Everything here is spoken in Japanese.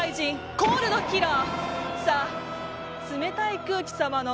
コール・Ｄ・キラー！